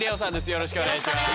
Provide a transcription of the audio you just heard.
よろしくお願いします。